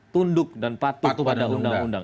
tunduk dan patuh pada undang undang